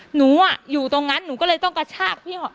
หนูอยู่ตรงนั้นหนูก็เลยต้องกระชากพี่